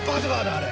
あれ。